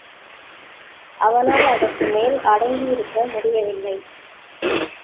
அவனால் அதற்கு மேல் அடங்கி இருக்க முடிய வில்லை.